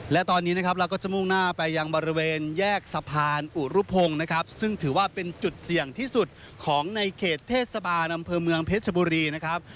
และตอนนี้นะครับเราก็จะมุ่งหน้าไปยังบริเวณแยกสะพานอุรุพงศ์นะครับซึ่งถือว่าเป็นจุดเสี่ยงที่สุดของในเขตเทศบาลอำเภอเมืองเพชรบุรีนะครับ